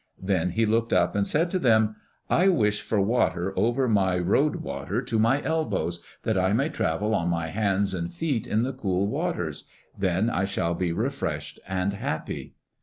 Then he looked up and said to them, "I wish for water over my road water to my elbows, that I may travel on my hands and feet in the cool waters; then I shall be refreshed and happy."